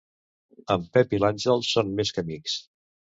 En Pep i l'Àngel són més que amics.